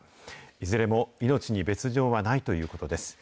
いずれも命に別状はないということです。